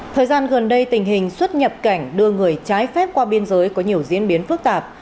thời gian gần đây tình hình xuất nhập cảnh đưa người trái phép qua biên giới có nhiều diễn biến phức tạp